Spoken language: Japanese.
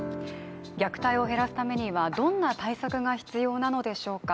虐待を減らすためにはどんな対策が必要なのでしょうか。